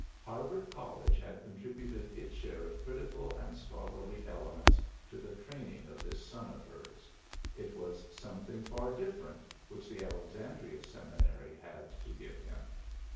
Harvard College had contributed its share of critical and scholarly ele ments to the training of this son of hers : it was something far different which the Alexandria Seminary had to give him.